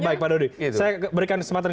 baik pak dodi saya berikan kesempatan